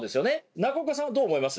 中岡さんどう思います？